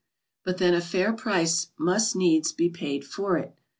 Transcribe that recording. But then a fair price must needs be paid for it.